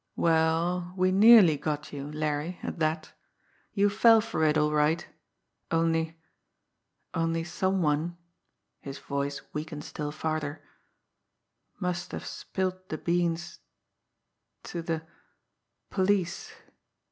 "Well, we nearly got you, Larry at that! You fell for it, all right. Only only some one" his voice weakened still farther "must have spilled the beans to the police."